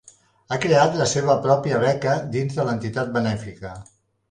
Ha creat la seva pròpia beca dins de l"entitat benèfica.